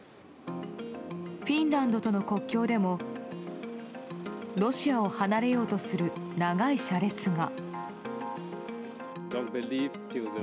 フィンランドとの国境でもロシアを離れようとする長い車列が。